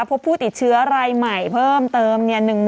พบผู้ติดเชื้อรายใหม่เพิ่มเติม